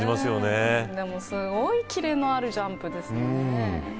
すごいキレのあるジャンプですよね。